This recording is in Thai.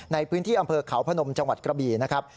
ในพื้นที่อำเภอเขาพนมจังหวัดกระบี่นะครับ